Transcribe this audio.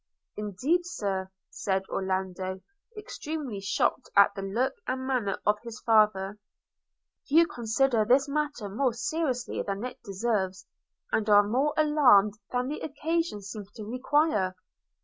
– 'Indeed, Sir,' said Orlando extremely shocked at the look and manner of his father, 'you consider this matter more seriously than it deserves, and are more alarmed than the occasion seems to require.'